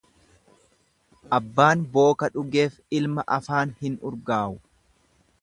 Abbaan booka dhugeef ilma afaan hin urgaawu.